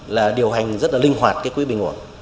là điều hành rất là linh hoạt cái quỹ bình ổn